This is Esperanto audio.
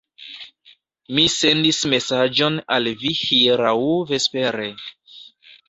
Mi sendis mesaĝon al vi hieraŭ vespere.